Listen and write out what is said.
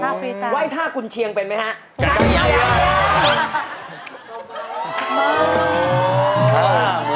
อ๋ออาว่าว่ายท่ากุญเชียงเป็นไหมครับ